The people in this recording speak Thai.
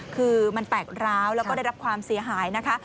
คือมันแตกร้าวแล้วก็ได้รับความเสียหายนะคะ